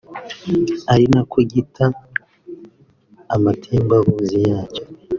ari nako gita amatembabuzi yacyo